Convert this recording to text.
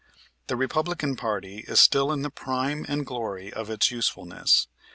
The Republican party is still in the prime and glory of its usefulness.